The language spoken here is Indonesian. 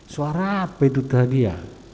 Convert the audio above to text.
suara apa itu tadi ya